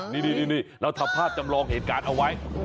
นี่เราทำภาพจำลองเหตุการณ์เอาไว้